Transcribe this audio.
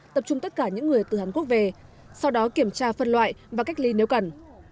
tập trung tất cả những người từ hàn quốc về sau đó kiểm tra phân loại và cách ly nếu cần